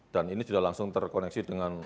dan ini sudah langsung terkoneksi dengan